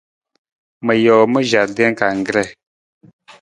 Ma joo ma jardin anggree.